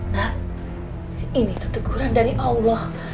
nah ini tuh teguran dari allah